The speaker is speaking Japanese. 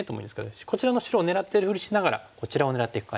こちらの白を狙ってるふりしながらこちらを狙っていく感じです。